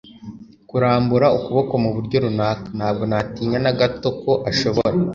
kurambura ukuboko mu buryo runaka. ntabwo natinyaga na gato ko ashobora